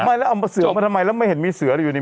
ไม่แล้วเอามาเสือมาทำไมแล้วไม่เห็นมีเสืออะไรอยู่นี่